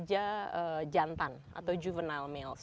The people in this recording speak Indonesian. jadi mereka itu jantan atau juvenile males